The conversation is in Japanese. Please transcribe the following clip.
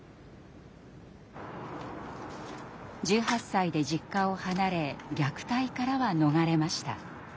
１８歳で実家を離れ虐待からは逃れました。